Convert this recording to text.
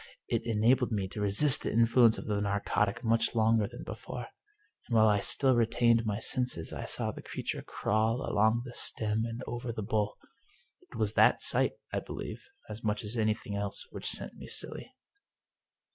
It enabled me to resist the influence of the narcotic much longer than be fore, and while I still retained my senses I saw the creature crawl along under the stem and over the bowl. It was that sight, I believe, as much as anything else, which sent me silly.